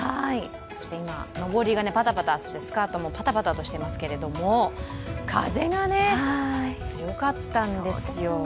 そして今、のぼりがパタパタ、そしてスカートもパタパタとしていますけれども、風が強かったんですよ。